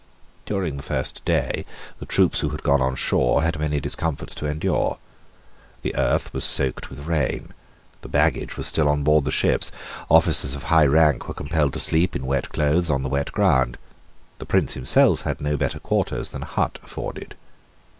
During the first day the troops who had gone on shore had many discomforts to endure. The earth was soaked with rain. The baggage was still on board of the ships. Officers of high rank were compelled to sleep in wet clothes on the wet ground: the Prince himself had no better quarters than a hut afforded.